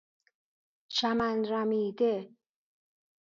چمن رمیده